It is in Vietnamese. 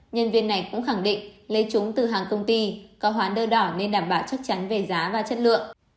nhân viên này cũng khẳng định lấy chúng từ hàng công ty có hóa đơn đỏ nên đảm bảo chắc chắn về giá và chất lượng